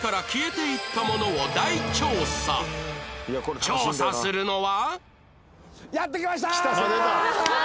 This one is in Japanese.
調査するのは